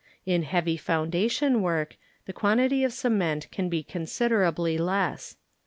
In heavy foundation work, the quantity of cement can be considerably less.